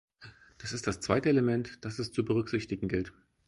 Das ist das zweite Element, das es zu berücksichtigen gilt.